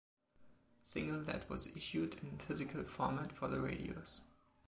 Single that was issued in physical format for the radios.